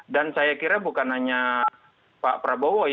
dan saya kira bukan hanya pak prabowo